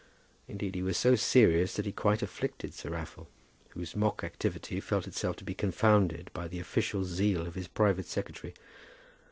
Indeed he was so serious that he quite afflicted Sir Raffle, whose mock activity felt itself to be confounded by the official zeal of his private secretary.